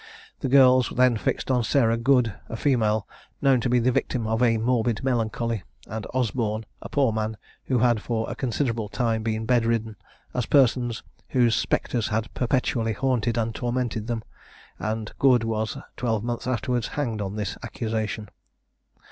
The girls then fixed on Sarah Good, a female, known to be the victim of a morbid melancholy, and Osborne, a poor man who had for a considerable time been bed ridden, as persons whose spectres had perpetually haunted and tormented them, and Good was, twelve months afterwards, hanged on this accusation.